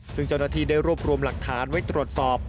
ซึ่งเจ้าหน้าที่ได้รวบรวมหลักฐานไว้ตรวจสอบ